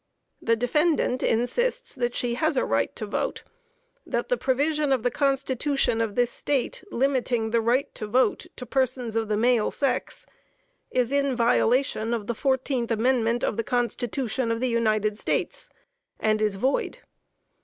The defendant insists that she has a right to vote; that the provision of the Constitution of this State limiting the right to vote to persons of the male sex is in violation of the 14th Amendment of the Constitution of the United States, and is void.